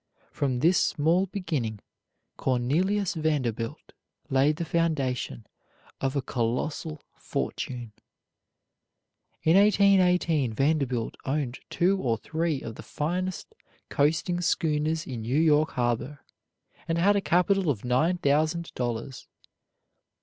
From this small beginning Cornelius Vanderbilt laid the foundation of a colossal fortune. In 1818 Vanderbilt owned two or three of the finest coasting schooners in New York harbor, and had a capital of nine thousand dollars.